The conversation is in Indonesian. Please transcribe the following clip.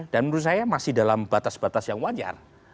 dan menurut saya masih dalam batas batas yang wajar